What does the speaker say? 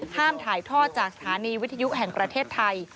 ถ่ายทอดจากสถานีวิทยุแห่งประเทศไทย